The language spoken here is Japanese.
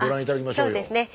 そうですね。